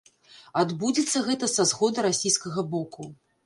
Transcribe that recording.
Адбудзецца гэта са згоды расійскага боку.